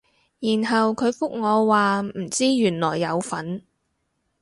然後佢覆我話唔知原來有分